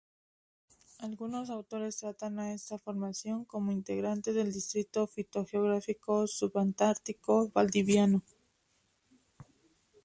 Algunos autores tratan a esta formación como integrante del Distrito fitogeográfico subantártico valdiviano.